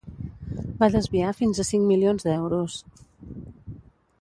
va desviar fins a cinc milions d'euros